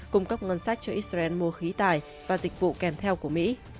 cung cấp ngân sách cho israel mua khí tài và dịch vụ kèm theo của mỹ